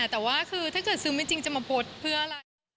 แต่ว่าคือถ้าเกิดซื้อไม่จริงจะมาโพสต์เพื่ออะไร